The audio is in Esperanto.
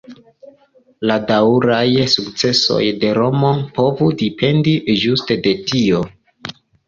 La daŭraj sukcesoj de Romo povus dependi ĝuste de tio.